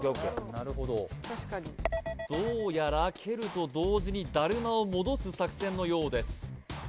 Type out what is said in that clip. なるほどどうやら蹴ると同時にだるまを戻す作戦のようです